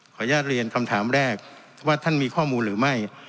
อนุญาตเรียนคำถามแรกว่าท่านมีข้อมูลหรือไม่